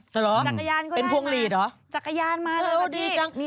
จักรยานก็ได้มาจักรยานมาเลยครับพี่